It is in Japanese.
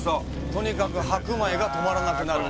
とにかく白米が止まらなくなると。